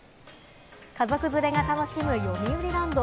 家族連れが楽しむ、よみうりランド。